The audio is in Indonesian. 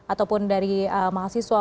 ataupun dari mahasiswa